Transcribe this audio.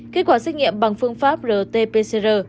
kết quả xét nghiệm bằng phương pháp rt pcr